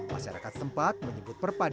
masyarakat tempat menyebut perpandang